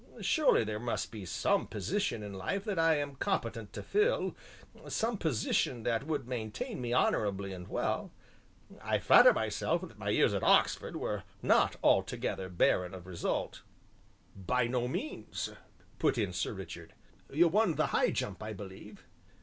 Surely there must be some position in life that I am competent to fill, some position that would maintain me honorably and well; I flatter myself that my years at Oxford were not altogether barren of result " "By no means," put in Sir Richard; "you won the High Jump, I believe?"